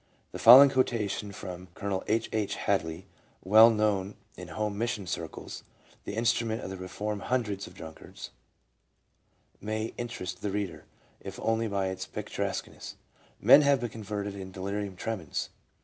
The following quotation from Col. H. H. Hadley, well known in home mission circles, the instrument of the reform of hundreds of drunkards, may interest the reader, if only by its pictur esqueness : "Men have been converted in the delirium tremens.